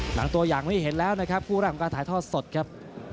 หลังตัวอย่างนี้เห็นแล้วนะครับคู่แรกของการถ่ายทอดสดครับ